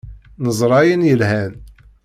Neẓra ayen yelhan.